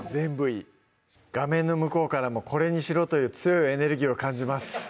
画面の向こうからも「これにしろ」という強いエネルギーを感じます